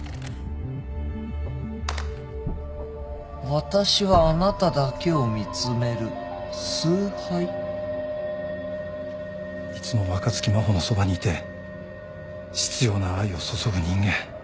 「私はあなただけを見つめる」「崇拝」いつも若槻真帆のそばにいて執拗な愛を注ぐ人間。